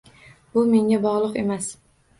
Bu menga bog'liq emas.